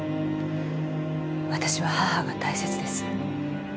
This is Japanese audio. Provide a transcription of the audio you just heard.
私は母が大切です。